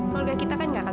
maka kita kan gak akan